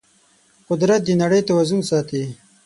قدرت د نړۍ توازن ساتي.